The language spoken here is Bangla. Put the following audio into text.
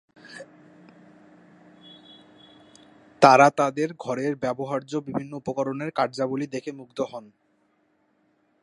তারা তাদের ঘরের ব্যবহার্য বিভিন্ন উকরণের কার্যাবলি দেখে মুগ্ধ হন।